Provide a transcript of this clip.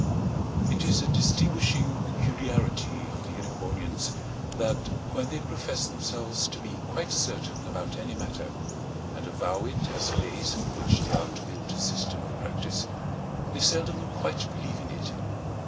It is a distinguishing peculiarity of the Erewhonians that when they profess themselves to be quite certain about any matter, and avow it as a base on which they are to build a system of practice, they seldom quite believe in it.